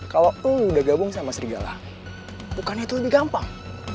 kalau udah gabung sama serigala bukannya itu lebih gampang